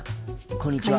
こんにちは。